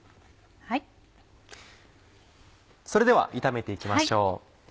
それでは炒めて行きましょう。